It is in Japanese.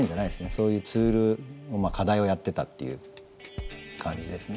そういうツール課題をやってたっていう感じですね。